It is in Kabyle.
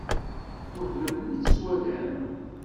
Twehmem mi tt-twalam?